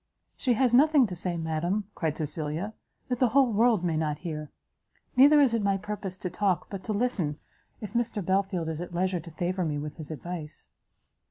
"She has nothing to say, madam," cried Cecilia, "that the whole world may not hear. Neither is it my purpose to talk, but to listen, if Mr Belfield is at leisure to favour me with his advice."